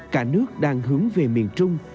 cả nước đang hướng về miền trung